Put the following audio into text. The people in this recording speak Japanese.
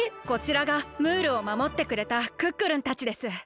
こちらがムールをまもってくれたクックルンたちです。